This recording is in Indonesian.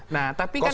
nah tapi kan itu